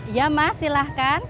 ya mas silahkan